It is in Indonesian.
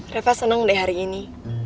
reva senang deh hari ini